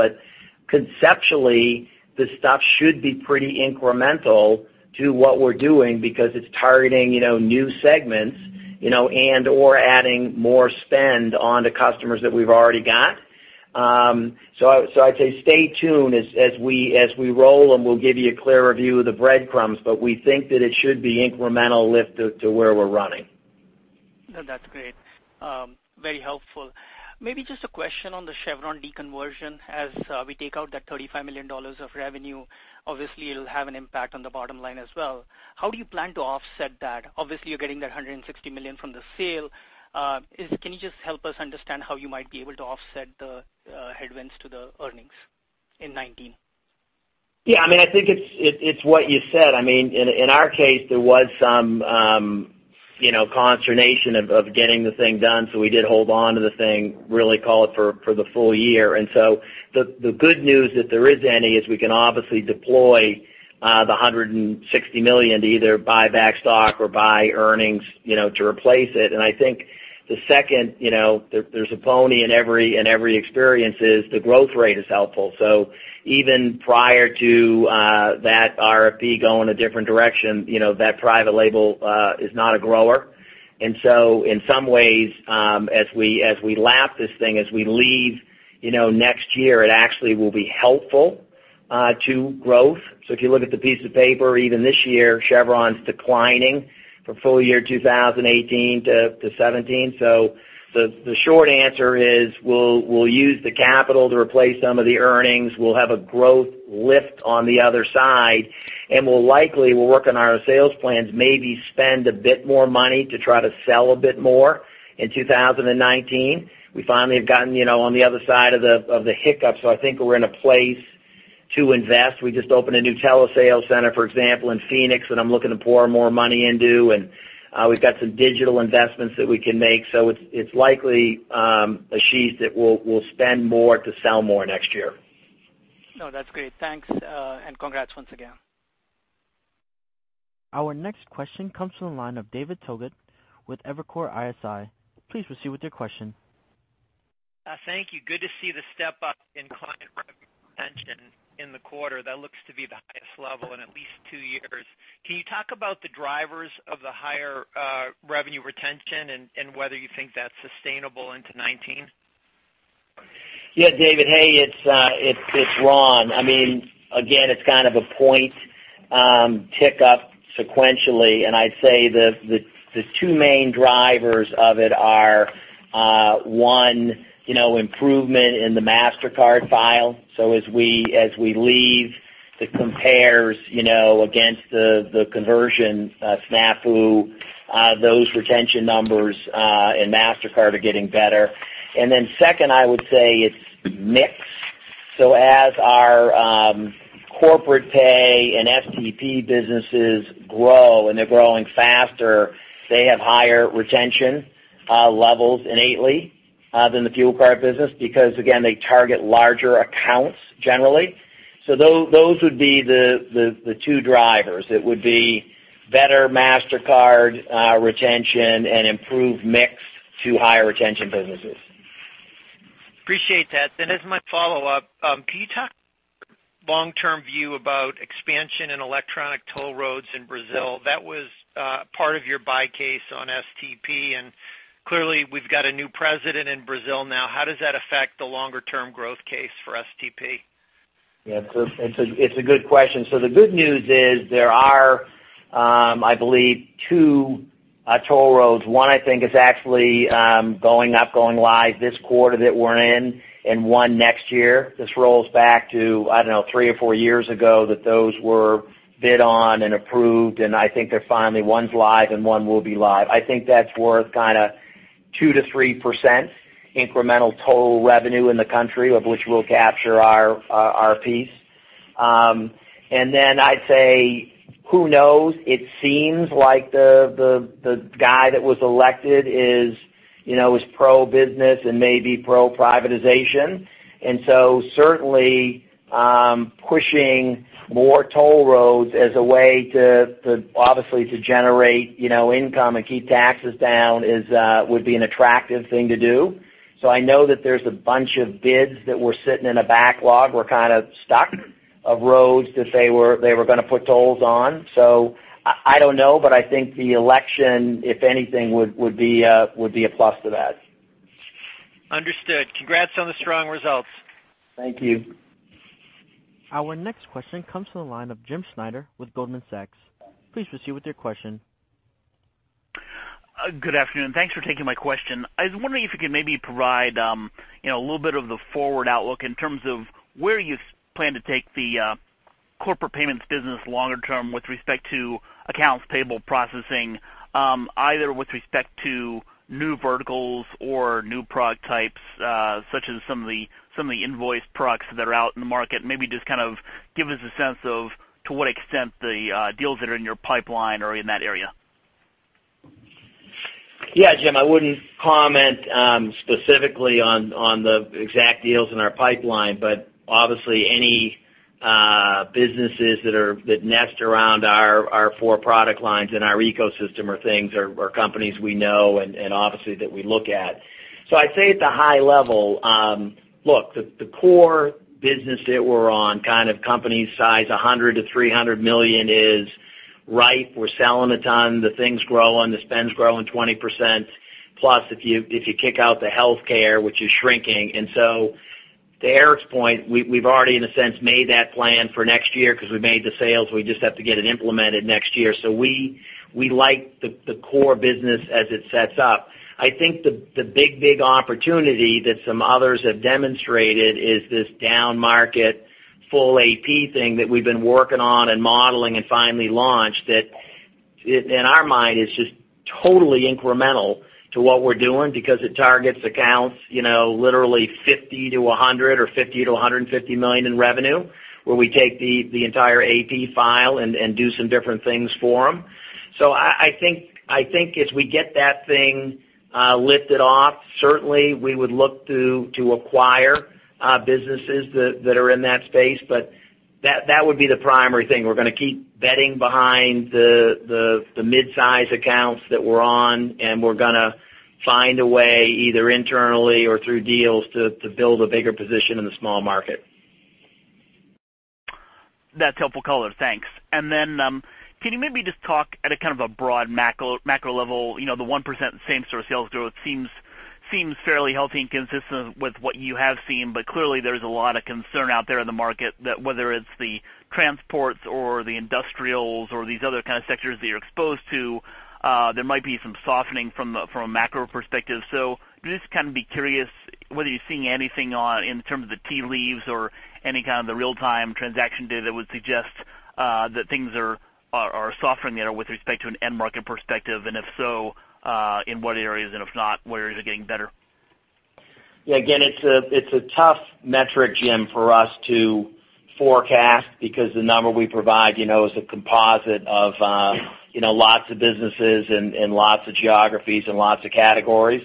Conceptually, this stuff should be pretty incremental to what we're doing because it's targeting new segments and/or adding more spend onto customers that we've already got. I'd say stay tuned as we roll them, we'll give you a clearer view of the breadcrumbs, but we think that it should be incremental lift to where we're running. No, that's great. Very helpful. Maybe just a question on the Chevron deconversion. As we take out that $35 million of revenue, obviously it'll have an impact on the bottom line as well. How do you plan to offset that? Obviously, you're getting that $160 million from the sale. Can you just help us understand how you might be able to offset the headwinds to the earnings in 2019? Yeah, I think it's what you said. In our case, there was some consternation of getting the thing done. We did hold onto the thing, really call it for the full year. The good news, if there is any, is we can obviously deploy the $160 million to either buy back stock or buy earnings to replace it. I think the second, there's a pony in every experience, is the growth rate is helpful. Even prior to that RFP going a different direction, that private label is not a grower. In some ways, as we lap this thing, as we leave next year, it actually will be helpful to growth. If you look at the piece of paper, even this year, Chevron's declining from full year 2018 to 2017. The short answer is we'll use the capital to replace some of the earnings. We'll have a growth lift on the other side, and we'll likely work on our sales plans, maybe spend a bit more money to try to sell a bit more in 2019. We finally have gotten on the other side of the hiccup. I think we're in a place to invest. We just opened a new telesales center, for example, in Phoenix, that I'm looking to pour more money into, and we've got some digital investments that we can make. It's likely, Ashish, that we'll spend more to sell more next year. No, that's great. Thanks, and congrats once again. Our next question comes from the line of David Togut with Evercore ISI. Please proceed with your question. Thank you. Good to see the step up in client revenue retention in the quarter. That looks to be the highest level in at least two years. Can you talk about the drivers of the higher revenue retention and whether you think that's sustainable into 2019? Yeah, David. Hey, it's Ron. It's kind of a point tick up sequentially, and I'd say the two main drivers of it are, one, improvement in the Mastercard file. As we leave the compares against the conversion snafu, those retention numbers in Mastercard are getting better. Second, I would say it's mix. As our Corpay and STP businesses grow, and they're growing faster, they have higher retention levels innately than the fuel card business, because again, they target larger accounts generally. Those would be the two drivers. It would be better Mastercard retention and improved mix to higher retention businesses. Appreciate that. As my follow-up, can you talk long-term view about expansion in electronic toll roads in Brazil? That was part of your buy case on STP, and clearly we've got a new president in Brazil now. How does that affect the longer-term growth case for STP? Yeah. It's a good question. The good news is there are, I believe, two toll roads. One, I think, is actually going up, going live this quarter that we're in, and one next year. This rolls back to, I don't know, three or four years ago that those were bid on and approved, and I think they're finally, one's live and one will be live. I think that's worth kind of 2%-3% incremental toll revenue in the country, of which we'll capture our piece. I'd say, who knows? It seems like the guy that was elected is pro-business and maybe pro-privatization. Certainly, pushing more toll roads as a way to, obviously, to generate income and keep taxes down would be an attractive thing to do. I know that there's a bunch of bids that were sitting in a backlog, were kind of stuck, of roads that they were going to put tolls on. I don't know, but I think the election, if anything, would be a plus to that. Understood. Congrats on the strong results. Thank you. Our next question comes from the line of James Schneider with Goldman Sachs. Please proceed with your question. Good afternoon. Thanks for taking my question. I was wondering if you could maybe provide a little bit of the forward outlook in terms of where you plan to take the corporate payments business longer term with respect to AP processing, either with respect to new verticals or new product types, such as some of the invoice products that are out in the market. Maybe just kind of give us a sense of to what extent the deals that are in your pipeline are in that area. Yeah, Jim, I wouldn't comment specifically on the exact deals in our pipeline, but obviously any businesses that nest around our four product lines in our ecosystem are things or companies we know and obviously that we look at. I'd say at the high level, look, the core business that we're on, kind of company size $100 million-$300 million is ripe, we're selling a ton, the thing's growing, the spend's growing 20%, plus if you kick out the healthcare, which is shrinking. To Eric's point, we've already, in a sense, made that plan for next year because we made the sales. We just have to get it implemented next year. We like the core business as it sets up. I think the big opportunity that some others have demonstrated is this down market full AP thing that we've been working on and modeling and finally launched, that in our mind is just totally incremental to what we're doing because it targets accounts literally $50 million-$100 million or $50 million-$150 million in revenue, where we take the entire AP file and do some different things for them. I think as we get that thing lifted off, certainly we would look to acquire businesses that are in that space, but that would be the primary thing. We're going to keep betting behind the mid-size accounts that we're on, and we're going to find a way, either internally or through deals, to build a bigger position in the small market. That's helpful color. Thanks. Can you maybe just talk at a kind of a broad macro level, the 1% same store sales growth seems fairly healthy and consistent with what you have seen, but clearly there's a lot of concern out there in the market that whether it's the transports or the industrials or these other kind of sectors that you're exposed to, there might be some softening from a macro perspective. Just kind of be curious whether you're seeing anything in terms of the tea leaves or any kind of the real-time transaction data that would suggest that things are softening there with respect to an end market perspective, and if so, in what areas? If not, what areas are getting better? Again, it's a tough metric, Jim, for us to forecast because the number we provide is a composite of lots of businesses and lots of geographies and lots of categories.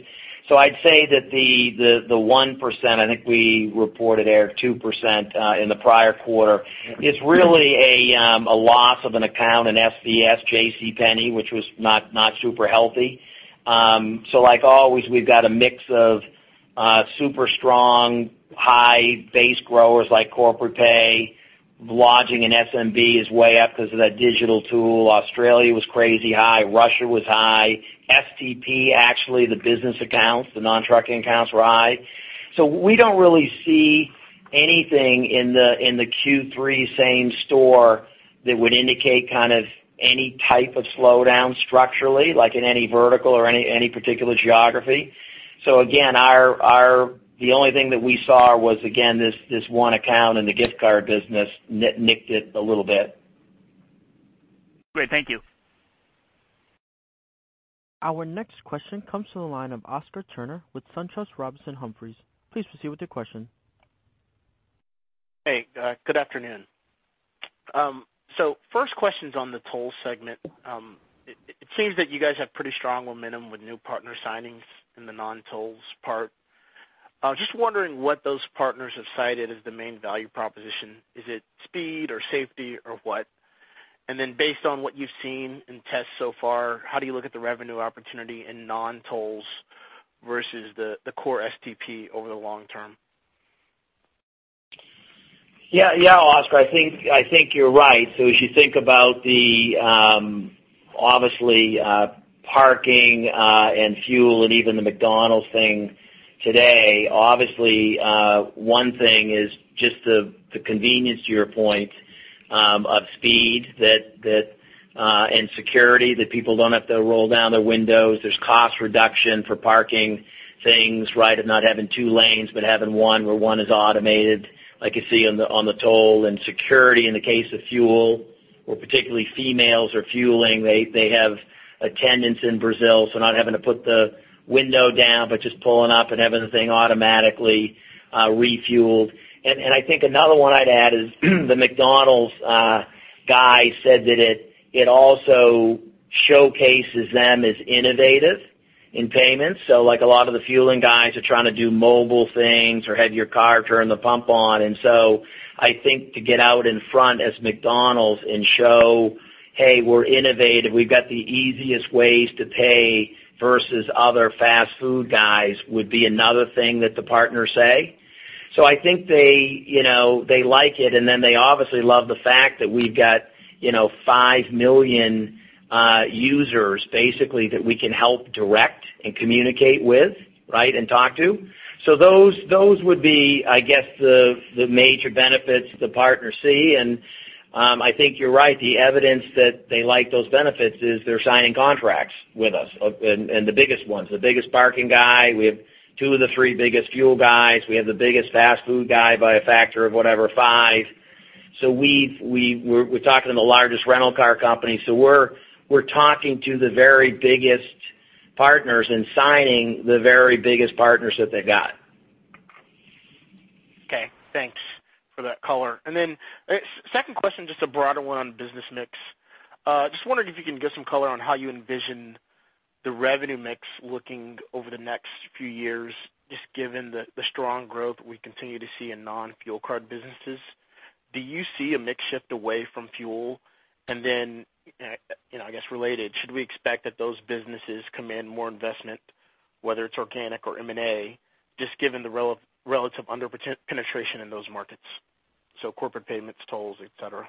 I'd say that the 1%, I think we reported, Eric, 2% in the prior quarter, is really a loss of an account in SVS, JCPenney, which was not super healthy. Like always, we've got a mix of super strong, high base growers like Corpay. Lodging in SMB is way up because of that digital tool. Australia was crazy high. Russia was high. STP, actually, the business accounts, the non-trucking accounts were high. We don't really see anything in the Q3 same store that would indicate kind of any type of slowdown structurally, like in any vertical or any particular geography. Again, the only thing that we saw was, again, this one account in the gift card business nicked it a little bit. Great. Thank you. Our next question comes from the line of Oscar Turner with SunTrust Robinson Humphrey. Please proceed with your question. Hey, good afternoon. First question's on the toll segment. It seems that you guys have pretty strong momentum with new partner signings in the non-tolls part. Just wondering what those partners have cited as the main value proposition. Is it speed or safety or what? Based on what you've seen in tests so far, how do you look at the revenue opportunity in non-tolls versus the core STP over the long term? Yeah, Oscar, I think you're right. As you think about the, obviously, parking and fuel and even the McDonald's thing today, obviously, one thing is just the convenience, to your point, of speed and security that people don't have to roll down their windows. There's cost reduction for parking things, right, of not having 2 lanes, but having one where one is automated, like you see on the toll. Security in the case of fuel or particularly females are fueling, they have attendants in Brazil, not having to put the window down, but just pulling up and having the thing automatically refueled. I think another one I'd add is the McDonald's guy said that it also showcases them as innovative in payments. Like a lot of the fueling guys are trying to do mobile things or have your car turn the pump on. I think to get out in front as McDonald's and show, hey, we're innovative, we've got the easiest ways to pay versus other fast food guys, would be another thing that the partners say. I think they like it, and then they obviously love the fact that we've got 5 million users basically that we can help direct and communicate with and talk to. Those would be, I guess, the major benefits the partners see, and I think you're right. The evidence that they like those benefits is they're signing contracts with us, and the biggest ones. The biggest parking guy. We have 2 of the 3 biggest fuel guys. We have the biggest fast food guy by a factor of whatever, 5. We're talking to the largest rental car company. We're talking to the very biggest partners and signing the very biggest partners that they got. Second question, just a broader one on business mix. Just wondering if you can give some color on how you envision the revenue mix looking over the next few years, just given the strong growth we continue to see in non-fuel card businesses. Do you see a mix shift away from fuel? I guess related, should we expect that those businesses command more investment whether it's organic or M&A, just given the relative under-penetration in those markets, so corporate payments, tolls, et cetera.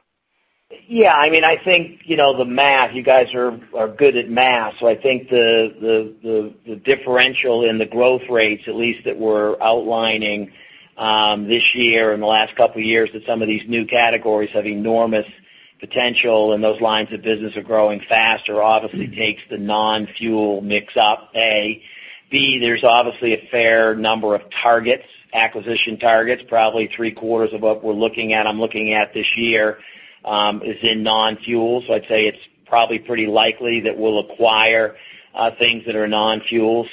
Yeah. I think the math, you guys are good at math. I think the differential in the growth rates, at least that we're outlining, this year and the last couple of years, that some of these new categories have enormous potential, and those lines of business are growing faster, obviously takes the non-fuel mix up, A. B. There's obviously a fair number of targets, acquisition targets, probably three-quarters of what we're looking at, I'm looking at this year, is in non-fuel. I'd say it's probably pretty likely that we'll acquire things that are non-fuel.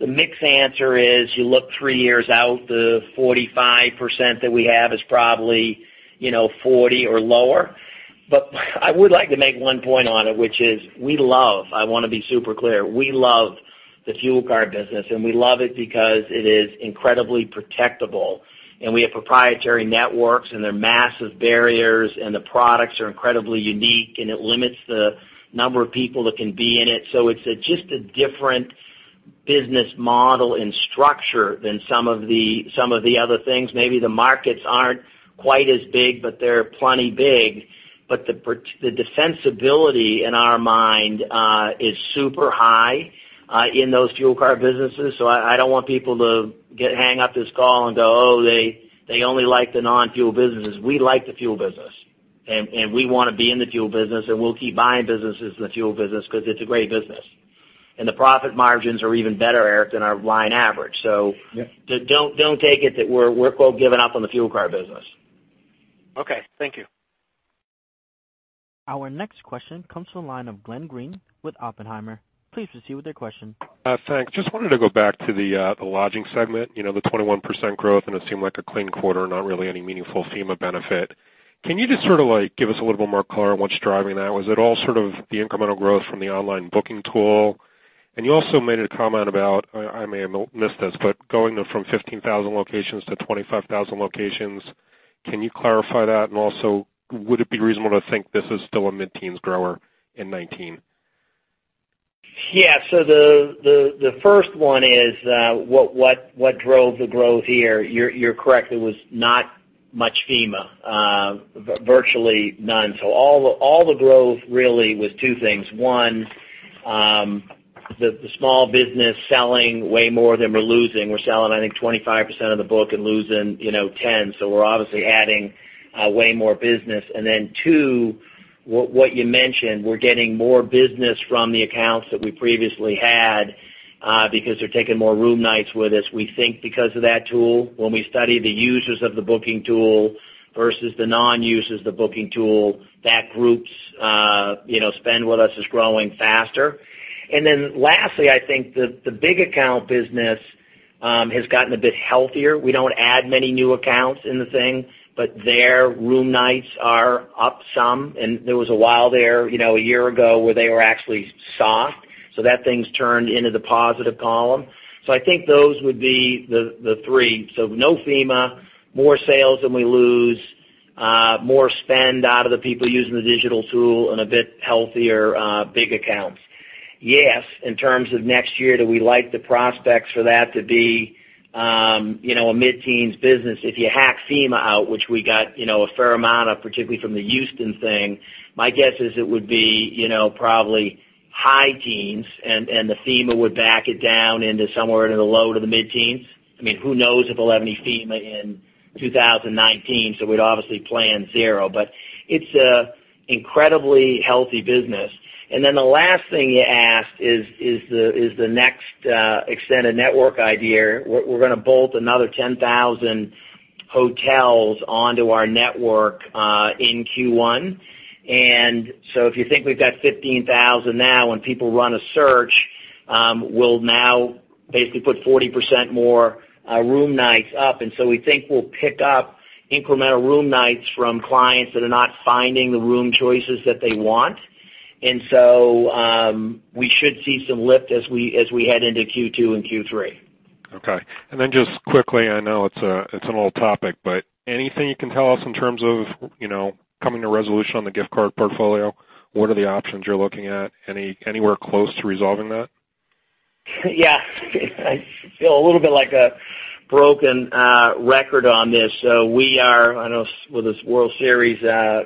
The mix answer is, you look 3 years out, the 45% that we have is probably 40% or lower. I would like to make one point on it, which is, we love, I want to be super clear, we love the fuel card business, and we love it because it is incredibly protectable, and we have proprietary networks, and they're massive barriers, and the products are incredibly unique, and it limits the number of people that can be in it. It's just a different business model and structure than some of the other things. Maybe the markets aren't quite as big, but they're plenty big. The defensibility in our mind, is super high in those fuel card businesses. I don't want people to hang up this call and go, "Oh, they only like the non-fuel businesses." We like the fuel business. We want to be in the fuel business, and we'll keep buying businesses in the fuel business because it's a great business. The profit margins are even better, Eric, than our line average. Yep don't take it that we're giving up on the fuel card business. Okay, thank you. Our next question comes from the line of Glenn Greene with Oppenheimer. Please proceed with your question. Thanks. Just wanted to go back to the lodging segment, the 21% growth. It seemed like a clean quarter, not really any meaningful FEMA benefit. Can you just give us a little bit more color on what's driving that? Was it all sort of the incremental growth from the online booking tool? You also made a comment about, I may have missed this, but going from 15,000 locations to 25,000 locations. Can you clarify that? Also, would it be reasonable to think this is still a mid-teens grower in 2019? Yeah. The first one is, what drove the growth here. You're correct. It was not much FEMA. Virtually none. All the growth really was two things. One, the small business selling way more than we're losing. We're selling, I think, 25% of the book and losing 10. We're obviously adding way more business. Two, what you mentioned, we're getting more business from the accounts that we previously had, because they're taking more room nights with us. We think because of that tool, when we study the users of the booking tool versus the non-users of the booking tool, that group's spend with us is growing faster. Lastly, I think the big account business has gotten a bit healthier. We don't add many new accounts in the thing, but their room nights are up some. There was a while there, a year ago, where they were actually soft. That thing's turned into the positive column. I think those would be the three. No FEMA, more sales than we lose, more spend out of the people using the digital tool, and a bit healthier big accounts. Yes, in terms of next year, do we like the prospects for that to be a mid-teens business? If you hack FEMA out, which we got a fair amount of, particularly from the Houston thing, my guess is it would be probably high teens, and the FEMA would back it down into somewhere in the low to the mid-teens. Who knows if we'll have any FEMA in 2019, we'd obviously plan zero. It's an incredibly healthy business. The last thing you asked is the next extended network idea. We're going to bolt another 10,000 hotels onto our network, in Q1. If you think we've got 15,000 now, when people run a search, we'll now basically put 40% more room nights up. We think we'll pick up incremental room nights from clients that are not finding the room choices that they want. We should see some lift as we head into Q2 and Q3. Okay. Just quickly, I know it's an old topic, anything you can tell us in terms of coming to resolution on the gift card portfolio? What are the options you're looking at? Anywhere close to resolving that? Yeah. I feel a little bit like a broken record on this. We are, I know with the World Series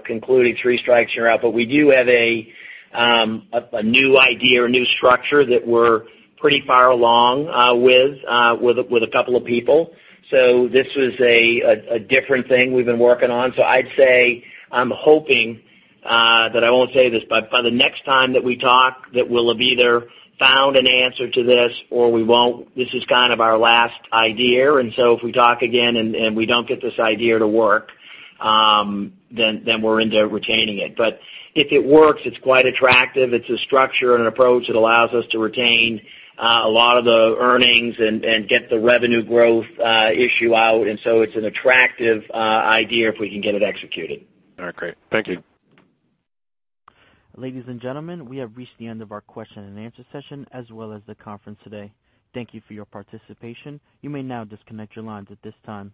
concluding, three strikes, you're out, but we do have a new idea or new structure that we're pretty far along with a couple of people. This was a different thing we've been working on. I'd say, I'm hoping, that I won't say this, but by the next time that we talk, that we'll have either found an answer to this or we won't. This is kind of our last idea, if we talk again and we don't get this idea to work, then we're into retaining it. If it works, it's quite attractive. It's a structure and an approach that allows us to retain a lot of the earnings and get the revenue growth issue out. It's an attractive idea if we can get it executed. All right, great. Thank you. Ladies and gentlemen, we have reached the end of our question and answer session as well as the conference today. Thank you for your participation. You may now disconnect your lines at this time.